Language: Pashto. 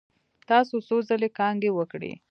تاسو څو ځلې کانګې وکړې؟